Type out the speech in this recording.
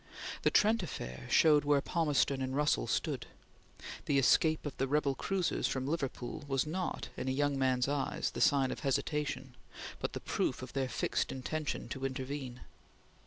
The Trent Affair showed where Palmerston and Russell stood. The escape of the rebel cruisers from Liverpool was not, in a young man's eyes, the sign of hesitation, but the proof of their fixed intention to intervene.